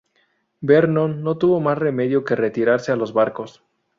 Vernon no tuvo más remedio que retirarse a los barcos.